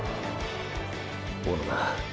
小野田